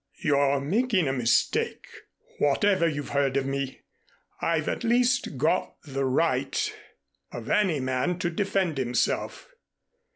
"You're making a mistake. Whatever you've heard about me, I've at least got the right of any man to defend himself.